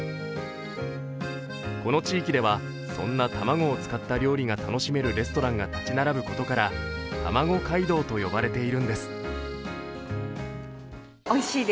この地域では、そんな卵を使った料理が楽しめるレストランが立ち並ぶことから、たまご街道と呼ばれているんです。